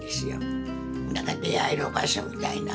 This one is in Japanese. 何か出会える場所みたいな。